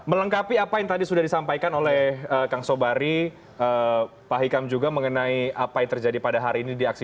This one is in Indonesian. melengkapi apa yang tadi sudah disampaikan oleh kang sobari pak hikam juga mengenai apa yang terjadi pada hari ini di aksi